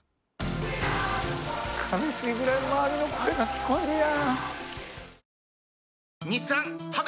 悲しいぐらい周りの声が聞こえるやん。